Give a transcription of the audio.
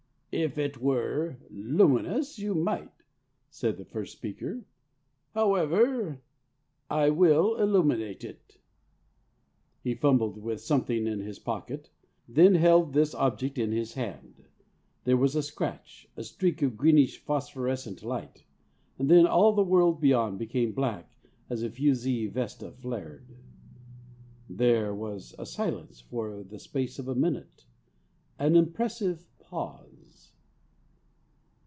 "If it were luminous you might," said the first speaker. "However, I will illuminate it." He fumbled with something in his pocket, then held this object in his hand. There was a scratch, a streak of greenish phosphorescent light, and then all the world beyond became black, as a fusee vesta flared. There was silence for the space of a minute. An impressive pause.